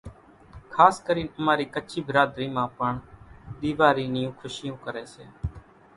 خاص ڪرين اماري ڪڇي ڀراڌري مان پڻ ۮيوارِي نيون کُشيون ڪري سي،